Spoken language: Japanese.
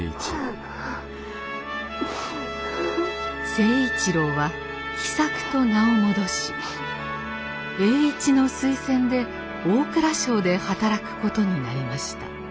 成一郎は「喜作」と名を戻し栄一の推薦で大蔵省で働くことになりました。